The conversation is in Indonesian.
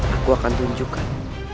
aku akan tunjukkan